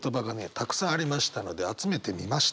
たくさんありましたので集めてみました。